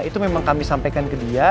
itu memang kami sampaikan ke dia